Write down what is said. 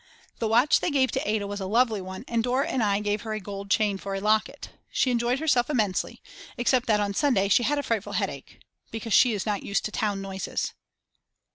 The watch they gave to Ada was a lovely one and Dora and I gave her a gold chain for a locket. She enjoyed herself immensely, except that on Sunday she had a frightful headache. Because she is not used to town noises.